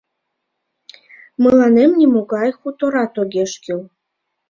Мыланем нимогай хуторат огеш кӱл.